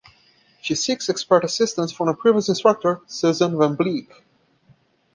She seeks expert assistance from a previous instructor, Susan van Bleeck.